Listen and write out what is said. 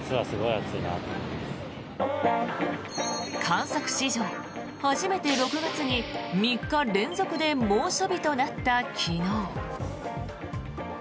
観測史上初めて６月に３日連続で猛暑日となった昨日。